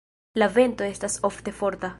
La vento estas ofte forta.